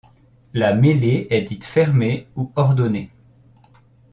La mêlée est dite fermée ou ordonnée.